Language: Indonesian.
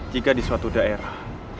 jika di suatu daerah